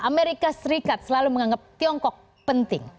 amerika serikat selalu menganggap tiongkok penting